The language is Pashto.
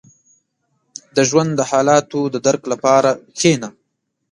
• د ژوند د حالاتو د درک لپاره کښېنه.